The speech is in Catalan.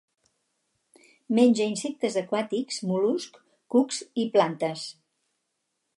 Menja insectes aquàtics, mol·luscs, cucs i plantes.